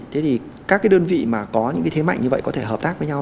thế thì các đơn vị mà có những thế mạnh như vậy có thể hợp tác với nhau